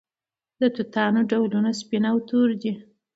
د توتانو ډولونه سپین او تور دي.